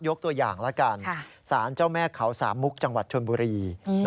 ตัวอย่างละกันสารเจ้าแม่เขาสามมุกจังหวัดชนบุรี